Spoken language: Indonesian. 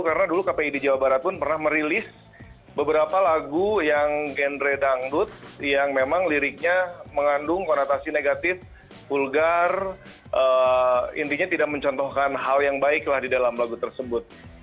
karena dulu kpi di jawa barat pun pernah merilis beberapa lagu yang genre dangdut yang memang liriknya mengandung konotasi negatif vulgar intinya tidak mencontohkan hal yang baiklah di dalam lagu tersebut